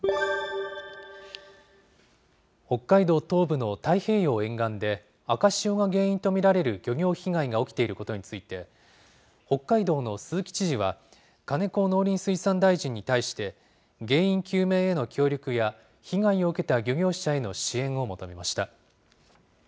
北海道東部の太平洋沿岸で、赤潮が原因と見られる漁業被害が起きていることについて、北海道の鈴木知事は、金子農林水産大臣に対して、原因究明への協力や、被害を受けた漁業者への支援を求めました。